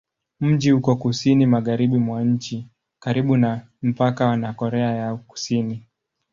Mji uko kusini-magharibi mwa nchi, karibu na mpaka na Korea ya Kusini.